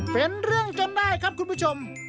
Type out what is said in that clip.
เป็นเรื่องจนได้ครับคุณผู้ชม